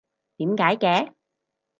點解嘅？